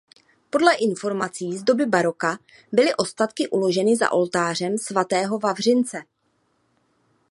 Podle informací z doby baroka byly ostatky uloženy za oltářem svatého Vavřince.